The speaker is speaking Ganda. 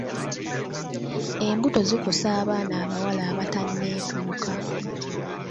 Embuto zikosa abaana abawala abatanneetuuka.